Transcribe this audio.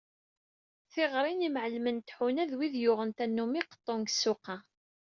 Tiɣri n yimεellmen n tḥuna d wid yuɣen tannumi qeṭṭun seg ssuq-a.